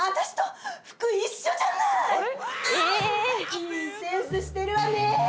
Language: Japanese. いいセンスしてるわね！